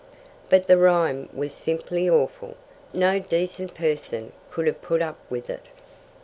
"But the rhyme was simply awful. No decent person could have put up with it."